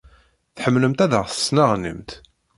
tḥemmlemt ad aɣ-tesneɣnimt.